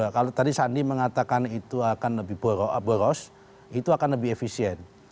kalau tadi sandi mengatakan itu akan lebih boros itu akan lebih efisien